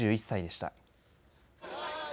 ９１歳でした。